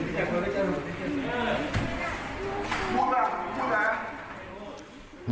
มันถอดง่าเผามันถอดก็เคลื่อนสนุน